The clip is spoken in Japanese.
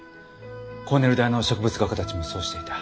コーネル大の植物画家たちもそうしていた。